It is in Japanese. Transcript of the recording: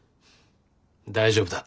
大丈夫だ。